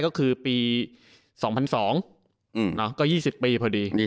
ก็๒๐ปีพอดี